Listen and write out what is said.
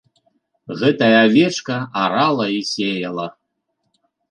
Гэтая авечка арала і сеяла.